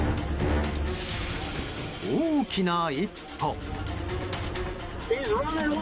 大きな一歩。